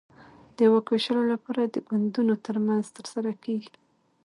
د واک وېشلو لپاره د ګوندونو ترمنځ ترسره کېږي.